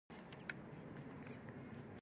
غوږونه د زړونو نه ډېر غږونه اوري